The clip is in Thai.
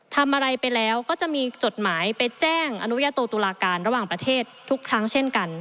ทำอะไรไปแล้วก็จะมีจดหมายไปแจ้งอนุญาโตตุลาการระหว่างประเทศทุกครั้งเช่นกัน